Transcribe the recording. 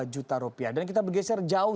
dua juta rupiah dan kita bergeser jauh